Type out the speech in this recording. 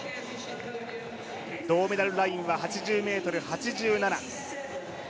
銅メダルラインは８０ｍ８７。